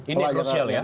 ini krusial ya